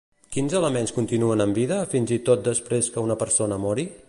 Quins elements continuen amb vida fins i tot després que una persona mori?